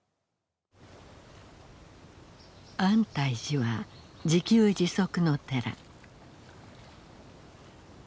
安泰寺は自給自足の寺。